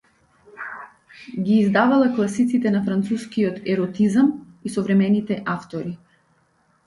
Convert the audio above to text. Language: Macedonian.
Ги издавала класиците на францускиот еротизам и современите автори.